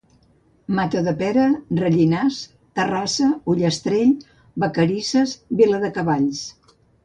Matadepera, Rellinars, Terrassa, Ullastrell, Vacarisses, Viladecavalls.